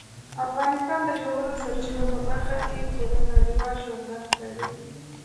افغانستان د ژورو سرچینو په برخه کې پوره نړیوال شهرت لري.